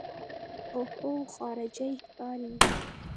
اوهو خارجۍ ښکاري.